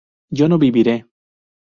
yo no viviré